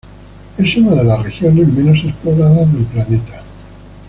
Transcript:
Es una de las regiones menos exploradas del planeta.